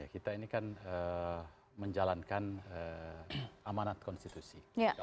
kita ini kan menjalankan amanat konstitusi